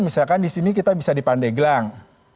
misalkan di sini kita bisa di pandeglang